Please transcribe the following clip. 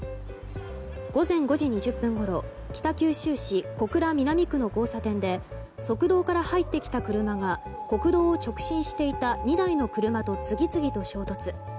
午前５時２０分ごろ北九州市小倉南区の交差点で側道から入ってきた車が国道を直進していた２台の車と次々に衝突。